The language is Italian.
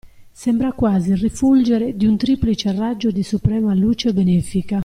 Sembra quasi rifulgere di un triplice raggio di suprema luce benefica.